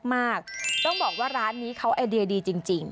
มากต้องบอกว่าร้านนี้เขาไอเดียดีจริง